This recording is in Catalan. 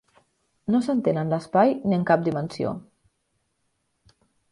No s'estenen en l'espai ni en cap dimensió.